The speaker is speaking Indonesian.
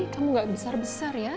kamu gak besar besar ya